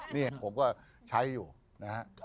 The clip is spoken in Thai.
นี่ผมก็ใช้อยู่นะฮะ